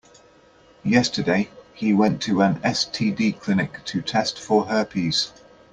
Yesterday, he went to an STD clinic to test for herpes.